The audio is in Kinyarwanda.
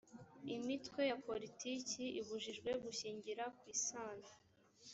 imitwe ya politiki ibujijwe gushingira ku isano